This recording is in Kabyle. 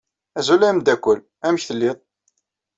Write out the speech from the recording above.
Azul a ameddakel! Amek tellid?